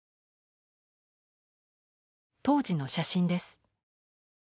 当時の写真です。